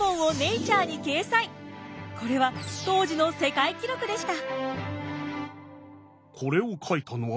これは当時の世界記録でした。